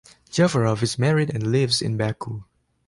Jafarov is married and lives in Baku.